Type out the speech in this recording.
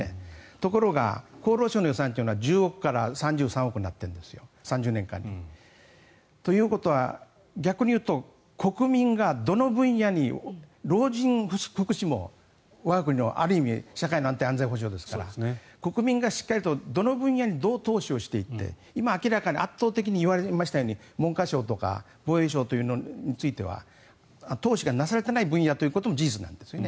ところが厚労省の予算というのは１０億から３３億になっているんです、３０年間に。ということは逆に言うと国民がどの分野に老人福祉も我が国のある意味、社会安全保障ですから国民がしっかりどの分野にどう投資をしていって今明らかに圧倒的に言われましたように文科省とか防衛省というのは投資がなされていない分野というのも事実なんです。